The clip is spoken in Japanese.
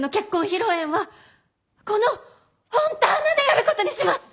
披露宴はこのフォンターナでやることにします！